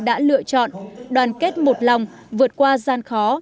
đã lựa chọn đoàn kết một lòng vượt qua gian khó